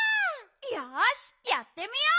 よしやってみよう！